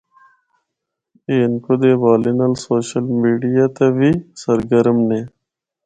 او ہندکو دے حوالے نال social media تے وی سرگرم نے۔